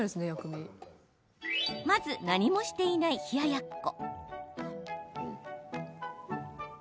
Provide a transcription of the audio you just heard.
まず、何もしていない冷ややっこ。